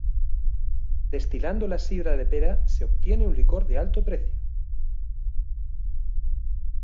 Destilando la 'sidra de pera' se obtiene un licor de alto precio.